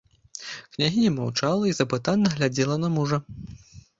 Княгіня маўчала і запытальна глядзела на мужа.